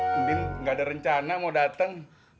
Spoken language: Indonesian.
mending gak ada rencana mau dateng